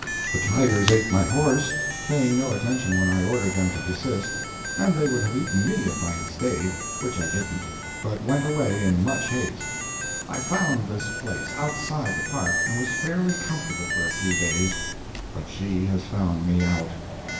... The tigers ate my house, paying no attention when I ordered them to desist, and they would have eaten me if I had stayed which I didn't, but went away in much haste.... I found this place, outside the Park, and was fairly comfortable for a few days, but she has found me out.